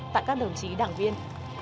tại các đồng chí đảng viên